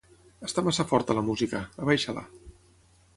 Està massa forta la música; abaixa-la.